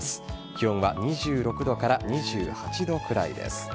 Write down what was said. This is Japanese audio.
気温は２６度から２８度くらいです。